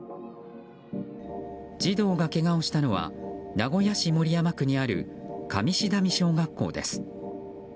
児童がけがをしたのは名古屋市守山区にある上志段味小学校です。